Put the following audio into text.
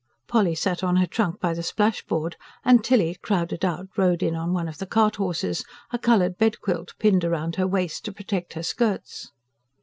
Polly sat on her trunk by the splashboard; and Tilly, crowded out, rode in on one of the cart horses, a coloured bed quilt pinned round her waist to protect her skirts.